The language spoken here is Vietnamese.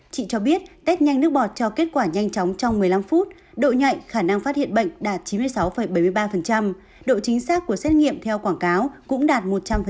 chị cho biết test nhanh nước bọt cho kết quả nhanh chóng trong một mươi năm phút độ nhạy khả năng phát hiện bệnh đạt chín mươi sáu bảy mươi ba độ chính xác của xét nghiệm theo quảng cáo cũng đạt một trăm linh